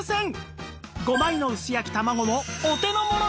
５枚の薄焼き卵もお手のものなんです！